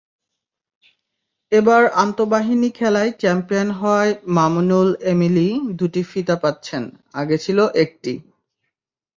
এবার আন্তঃবাহিনী খেলায় চ্যাম্পিয়ন হওয়ায় মামুনুল-এমিলি দুটি ফিতা পাচ্ছেন, আগে ছিল একটি।